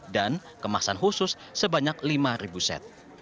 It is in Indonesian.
dan kemasan khusus sebanyak lima set